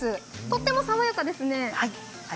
とっても爽やかですね。